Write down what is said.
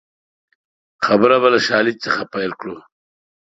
خبره به له شالید څخه پیل کړو